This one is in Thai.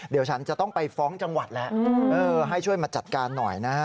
เดี๋ยวฉันจะต้องไปฟ้องจังหวัดแล้วให้ช่วยมาจัดการหน่อยนะฮะ